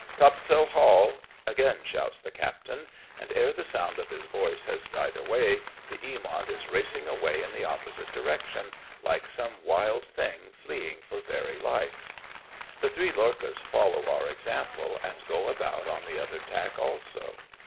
" Topsail haul," again shouts the captain, and ' ere the sound of his voice has died away the Eamont is racing away in the opposite direction, like some wild thing fleeing for very life. The three lorchas follow our example, and go about on the other tack also.